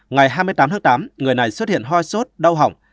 ngày hai mươi tám tháng tám người này xuất hiện hoi sốt đau hỏng